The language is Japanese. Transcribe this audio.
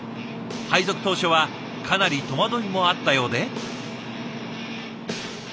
配属当初はかなり戸惑いもあったようで。